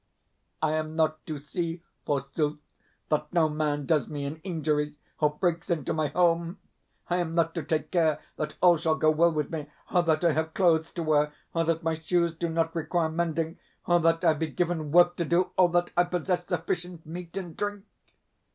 I am not to see, forsooth, that no man does me an injury, or breaks into my home I am not to take care that all shall go well with me, or that I have clothes to wear, or that my shoes do not require mending, or that I be given work to do, or that I possess sufficient meat and drink?